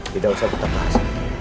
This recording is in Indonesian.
tidak usah kita bahas